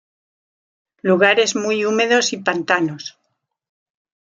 Lugares muy húmedos y pantanos.